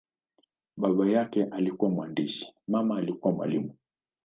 Baba yake alikuwa mwandishi, mama alikuwa mwalimu.